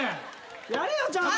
やれよちゃんと。